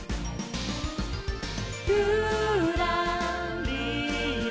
「ぴゅらりら」